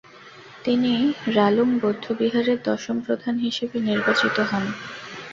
তিনি রালুং বৌদ্ধবিহারের দশম প্রধান হিসেবে নির্বাচিত হন।